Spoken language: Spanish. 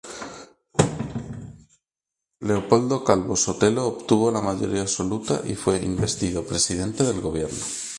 Leopoldo Calvo-Sotelo obtuvo la mayoría absoluta y fue investido presidente del Gobierno.